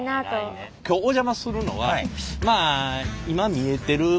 今日お邪魔するのはまあ見えてる？